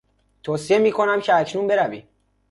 توصیه میکنم که اکنون بروی.